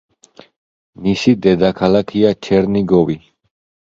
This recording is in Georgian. მისი დედაქალაქია ჩერნიგოვი.